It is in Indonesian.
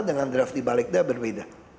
dengan draft di balik dah berbeda